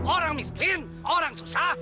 orang miskin orang susah